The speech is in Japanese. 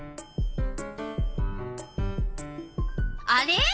あれ？